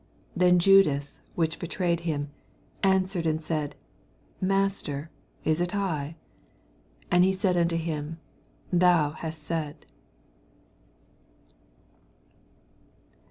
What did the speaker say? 25 Then Judas, which betrayed him. answered and said. Master, is it If He said unto him, Thou hast said.